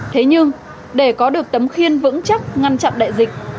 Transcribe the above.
thế nhưng để có được tấm khiên vững chắc ngăn chặn đại dịch